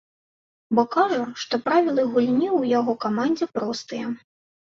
Бо кажа, што правілы гульні ў яго камандзе простыя.